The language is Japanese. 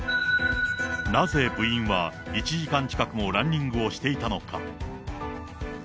なぜ部員は、１時間近くもランニングをしていたのか。